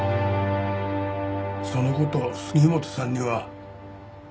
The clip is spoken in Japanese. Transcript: その事杉本さんには？